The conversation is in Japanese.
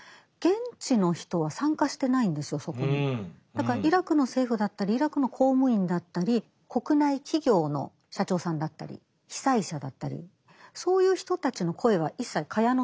だからイラクの政府だったりイラクの公務員だったり国内企業の社長さんだったり被災者だったりそういう人たちの声は一切蚊帳の外なので。